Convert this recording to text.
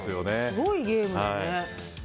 すごいゲームやね。